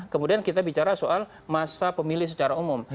kemudian kita bicara soal masa pemilih secara umum